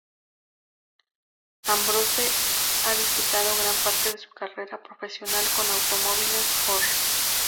Ambrose ha disputado gran parte de su carrera profesional con automóviles Ford.